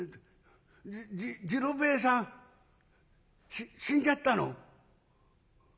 じ次郎兵衛さんし死んじゃったの？